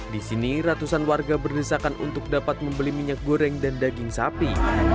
di sini ratusan warga berdesakan untuk dapat membeli minyak goreng dan daging sapi